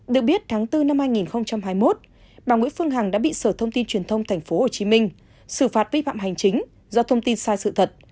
được biết tháng bốn năm hai nghìn hai mươi một bà nguyễn phương hằng đã bị sở thông tin truyền thông tp hcm xử phạt vi phạm hành chính do thông tin sai sự thật